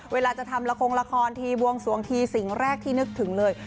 เวลาจะทำละครละครทีบวงสวงทีสิ่งแรกที่นึกถึงเลย